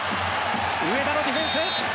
上田のディフェンス。